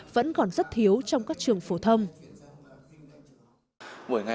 vẫn còn rất thiếu trong các trường phổ thông